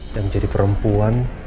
dan jadi perempuan